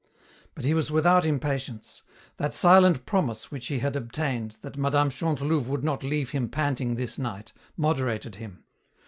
But he was without impatience. That silent promise which he had obtained, that Mme. Chantelouve would not leave him panting this night, moderated him.